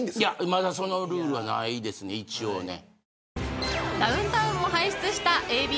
まだ、そのルールはないですね、一応ね。